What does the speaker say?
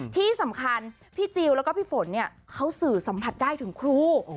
ที่สำคัญพี่จิลแล้วก็พี่ฝนเนี่ยเขาสื่อสัมผัสได้ถึงครู